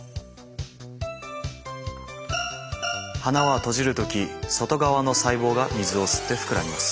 花は閉じる時外側の細胞が水を吸って膨らみます。